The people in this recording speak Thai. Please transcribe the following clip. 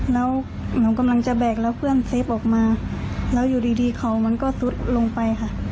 แล้วหนูกำลังจะแบกแล้วเพื่อนเซฟออกมาแล้วอยู่ดีเขามันก็ซุดลงไปค่ะ